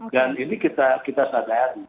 dan ini kita sadari